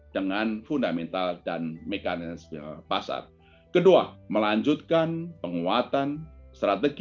dengan fundamental dan mekanisme pasar kedua melanjutkan penguatan strategi